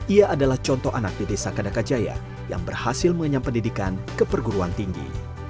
ia adalah contoh anak di desa kadakajaya yang berhasil mengenyam pendidikan ke perguruan tinggi